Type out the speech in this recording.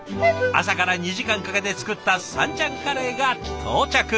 朝から２時間かけて作ったさんちゃんカレーが到着。